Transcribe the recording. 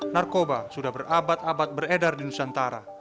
narkoba sudah berabad abad beredar di nusantara